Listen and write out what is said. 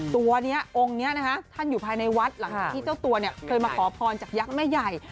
ตัวนี้องค์นี้นะคะท่านอยู่ภายในวัดหลังจากที่เจ้าตัวเนี่ยเคยมาขอพรจากยักษ์แม่ใหญ่